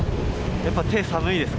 やっぱ、手寒いですか？